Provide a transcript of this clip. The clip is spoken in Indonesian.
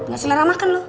gak selera makan lo